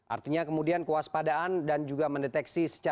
artinya kemudian kewaspadaan dan juga mendeteksi secara